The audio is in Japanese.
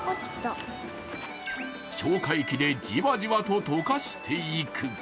消化液でじわじわと溶かしていく。